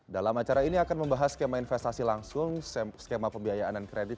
dalam acara ini akan membahas skema investasi langsung skema pembiayaan dan kredit